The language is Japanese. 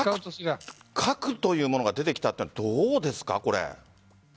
核というものが出てきたのはどうですかこれ？